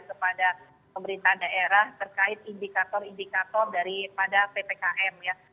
kepada pemerintahan daerah terkait indikator indikator daripada ptkm